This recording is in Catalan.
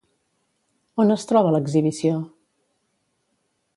On es troba l'exhibició?